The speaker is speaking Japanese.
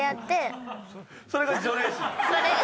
それが除霊師？